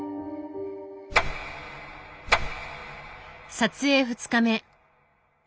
撮影２日目。